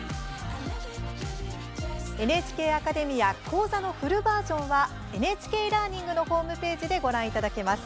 「ＮＨＫＡＣＡＤＥＭＩＡ」講座のフルバージョンは「ＮＨＫラーニング」のホームページでご覧いただけます。